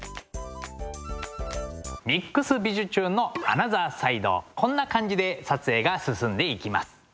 「ＭＩＸびじゅチューン！」のアナザーサイドこんな感じで撮影が進んでいきます。